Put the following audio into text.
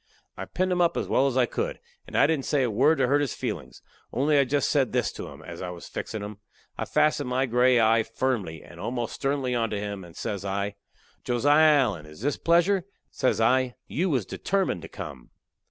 I pinned 'em up as well as I could, and I didn't say a word to hurt his feelin's, only I jest said this to him, as I was fixin' 'em I fastened my gray eye firmly, and almost sternly onto him, and says I: "Josiah Allen, is this pleasure?" Says I, "You was determined to come."